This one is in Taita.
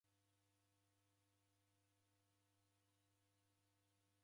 W'andu w'engi w'eko na w'asi ghwa mapato.